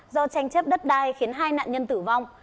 do tranh chấp đất đai khiến hai nạn nhân tử vong